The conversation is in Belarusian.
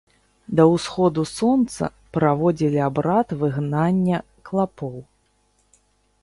Да ўсходу сонца праводзілі абрад выгнання клапоў.